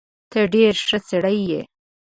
ته ډېر ښه سړی يې.